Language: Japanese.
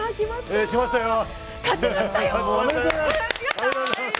ありがとうございます。